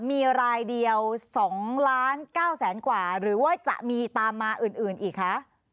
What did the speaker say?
มีรายเดียว๒ล้าน๙แสนกว่าหรือว่าจะมีตามมาอื่นอีกคะ